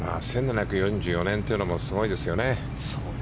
１７４５年というのもすごいですよね